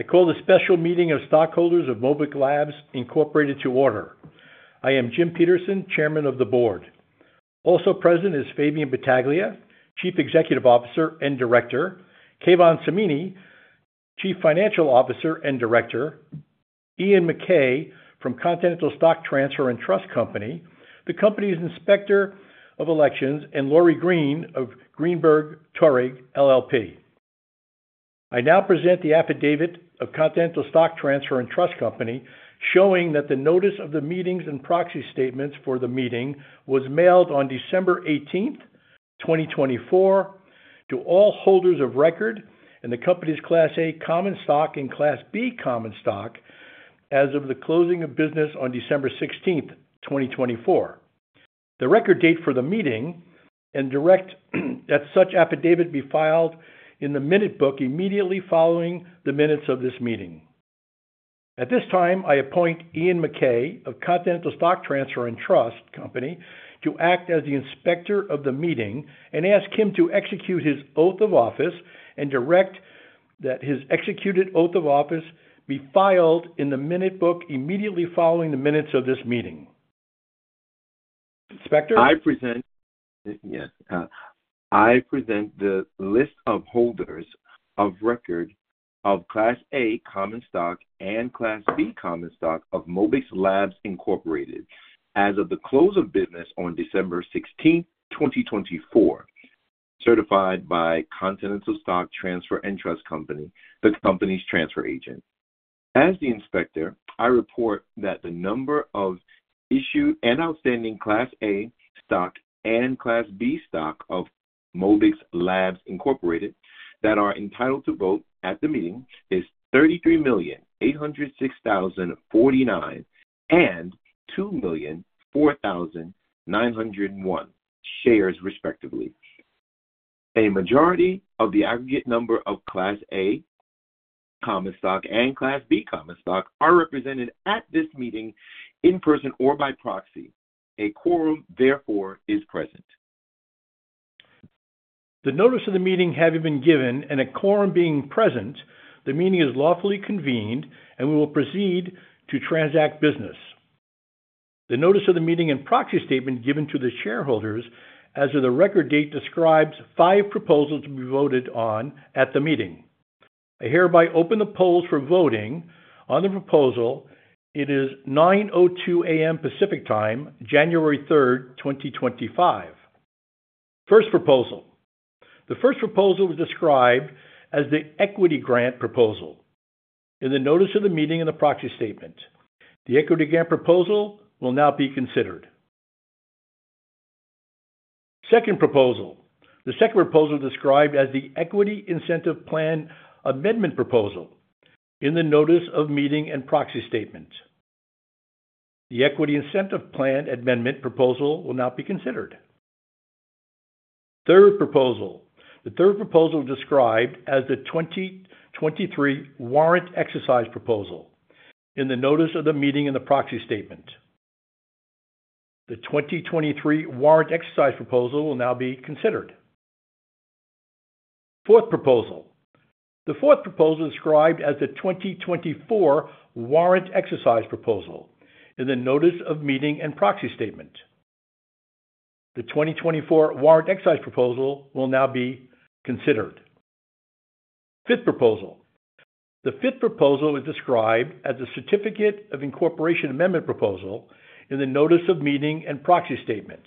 I call the special meeting of stockholders of Mobix Labs Incorporated to order. I am Jim Peterson, Chairman of the Board. Also present is Fabian Battaglia, Chief Executive Officer and Director, Keyvan Samini, Chief Financial Officer and Director, Ian McKay from Continental Stock Transfer and Trust Company, the Company's Inspector of Elections, and Laurie Green of Greenberg Traurig, LLP. I now present the affidavit of Continental Stock Transfer and Trust Company, showing that the notice of the meetings and proxy statements for the meeting was mailed on December 18th, 2024, to all holders of record in the Company's Class A Common Stock and Class B Common Stock as of the closing of business on December 16th, 2024, the record date for the meeting, and direct that such affidavit be filed in the Minute Book immediately following the minutes of this meeting. At this time, I appoint Ian McKay of Continental Stock Transfer & Trust Company to act as the Inspector of the meeting and ask him to execute his oath of office and direct that his executed oath of office be filed in the Minute Book immediately following the minutes of this meeting. Inspector. I present the list of holders of record of Class A Common Stock and Class B Common Stock of Mobix Labs Incorporated as of the close of business on December 16th, 2024, certified by Continental Stock Transfer and Trust Company, the Company's transfer agent. As the inspector, I report that the number of issued and outstanding Class A stock and Class B stock of Mobix Labs Incorporated that are entitled to vote at the meeting is 33,806,049 and 2,004,901 shares, respectively. A majority of the aggregate number of Class A Common Stock and Class B Common Stock are represented at this meeting in person or by proxy. A quorum, therefore, is present. The notice of the meeting having been given and a quorum being present, the meeting is lawfully convened and we will proceed to transact business. The notice of the meeting and proxy statement given to the shareholders as of the record date describes five proposals to be voted on at the meeting. I hereby open the polls for voting on the proposal. It is 9:02 A.M. Pacific Time, January 3rd, 2025. First proposal. The first proposal was described as the Equity Grant Proposal. In the notice of the meeting and the proxy statement, the Equity Grant Proposal will now be considered. Second proposal. The second proposal described as the Equity Incentive Plan Amendment Proposal. In the notice of meeting and proxy statement, the Equity Incentive Plan Amendment Proposal will now be considered. Third proposal. The third proposal described as the 2023 Warrant Exercise Proposal. In the notice of the meeting and the Proxy Statement, the 2023 Warrant Exercise Proposal will now be considered. Fourth proposal. The fourth proposal described as the 2024 Warrant Exercise Proposal. In the notice of meeting and Proxy Statement, the 2024 Warrant Exercise Proposal will now be considered. Fifth proposal. The fifth proposal is described as the Certificate of Incorporation Amendment Proposal. In the notice of meeting and Proxy Statement,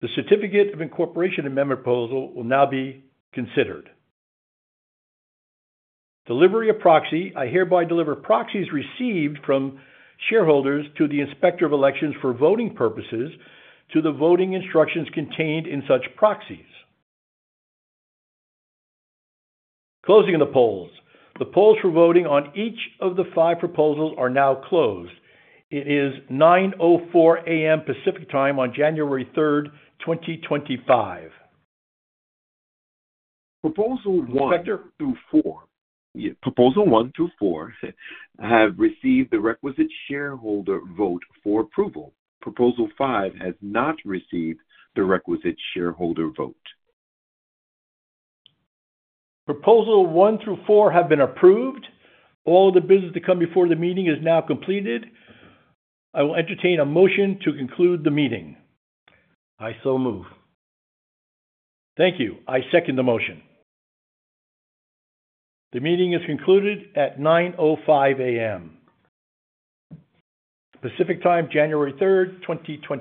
the Certificate of Incorporation Amendment Proposal will now be considered. Delivery of proxy. I hereby deliver proxies received from shareholders to the Inspector of Elections for voting purposes to the voting instructions contained in such proxies. Closing of the polls. The polls for voting on each of the five proposals are now closed. It is 9:04 A.M. Pacific Time on January 3rd, 2025. Proposal 1 through 4. Inspector. Proposal 1 through 4 have received the requisite shareholder vote for approval. Proposal 5 has not received the requisite shareholder vote. Proposal 1 through 4 have been approved. All the business to come before the meeting is now completed. I will entertain a motion to conclude the meeting. I so move. Thank you. I second the motion. The meeting is concluded at 9:05 A.M. Pacific Time, January 3.